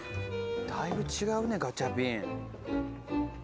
「だいぶ違うねガチャピン」